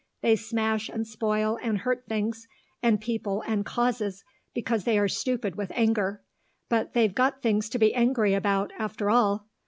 They smash and spoil and hurt things and people and causes, because they are stupid with anger; but they've got things to be angry about, after all.